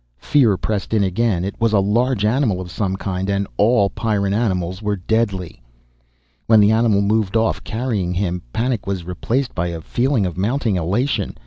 Fear pressed in again, it was a large animal of some kind. And all Pyrran animals were deadly. When the animal moved off, carrying him, panic was replaced by a feeling of mounting elation.